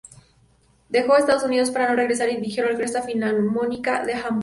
Dejó Estados Unidos, para no regresar, y dirigió la Orquesta Filarmónica de Hamburgo.